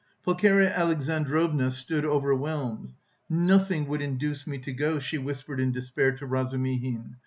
Pulcheria Alexandrovna stood overwhelmed. "Nothing would induce me to go," she whispered in despair to Razumihin.